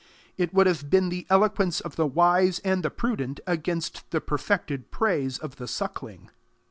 It would have been the eloquence of the wise and the prudent against the perfected praise of the suckling.